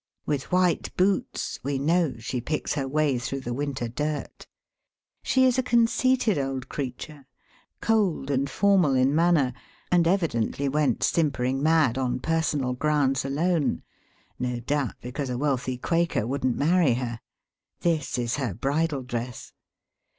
With white boots, we know she picks her way through the winter dirt. She is a conceited' old creature, cold and formal in manner, and evidently went simpering mad on personal grounds alone — no doubt because a wealthy Quaker wouldn't marry her. This is her bridal dress.